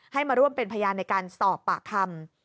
มาร่วมเป็นพยานในการสอบปากคำ